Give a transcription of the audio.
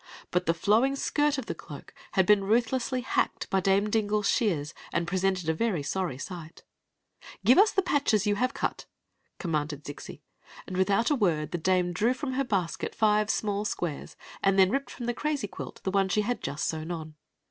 But the flowing skirt of the cloak had been ruthlessly hacked by Dame Din gle's shears, and presented a sorry plight " Get us the patches you have cut !" commanded Zixi; and without a word the dame drew from her Sto^ c£ the Cloak 263 basket five small squares and then ripped from the crazy quilt the one she had just sewn on.